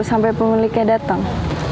terus sampai pemiliknya dateng